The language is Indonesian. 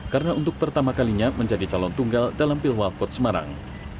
karena untuk pertama kalinya menjadi calon tunggal dalam pilwal kota semarang